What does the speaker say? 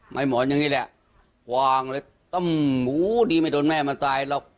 หมอนอย่างนี้แหละวางเลยต้มหมูดีไม่โดนแม่มาตายหรอก